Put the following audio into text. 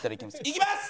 いきます！